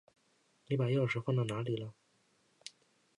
你把钥匙放到哪里了？